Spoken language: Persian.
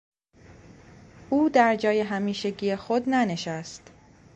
او در جای همیشگی خود ننشست.